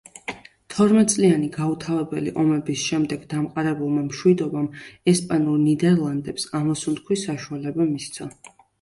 თორმეტწლიანი გაუთავებელი ომების შემდეგ დამყარებულმა მშვიდობამ ესპანურ ნიდერლანდებს ამოსუნთქვის საშუალება მისცა.